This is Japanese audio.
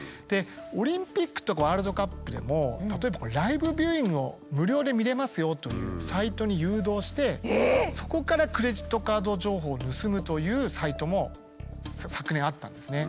オリンピックとかワールドカップでも例えばライブビューイングを無料で見れますよというサイトに誘導してそこからクレジットカード情報を盗むというサイトも昨年あったんですね。